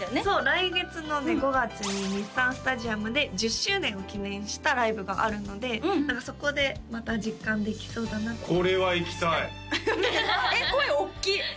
そう来月のね５月に日産スタジアムで１０周年を記念したライブがあるのでそこでまた実感できそうだなこれは行きたいえっ声おっきい